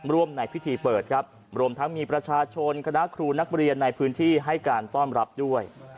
ร่วมในพิธีเปิดครับรวมทั้งมีประชาชนคณะครูนักเรียนในพื้นที่ให้การต้อนรับด้วย